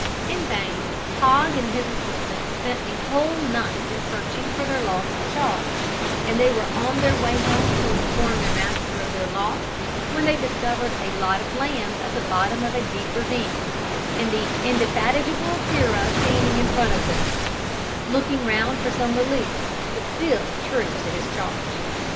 In vain Hogg and his assistant spent the whole night in searching for their lost charge; and they were on their way home to inform their master of their loss, when they discovered a lot of lambs at the bottom of a deep ravine, and the indefatigable Sirrah standing in front of them, looking round for some relief, but still true to his charge.